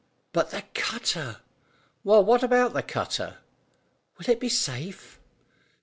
"But the cutter?" "Well, what about the cutter?" "Will it be safe?"